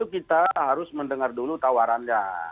kita harus mendengar dulu tawarannya